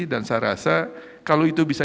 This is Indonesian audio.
dan saya rasa kalau itu bisa